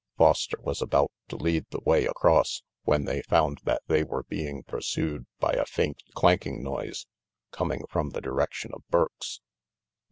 Foster was about to lead the way across, when they found that they were being pursued by a faint 214 RANGY PETE clanking noise, coming from the direction of Burke's.